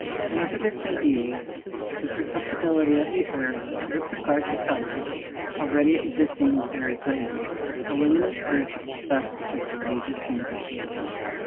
However this may be, the susceptibility of the earths with regard to colours already existing is very great; aluminous earth is thus particularly distinguished.